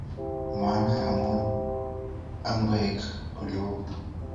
Menae amune aigoek oliu